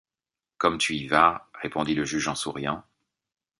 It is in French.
Comme tu y vas!... répondit le juge en souriant.